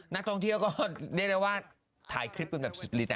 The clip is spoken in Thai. นักทรงเที่ยวก็ได้เรียวว่าทายคลิปเป็นแบบสิบลิสต์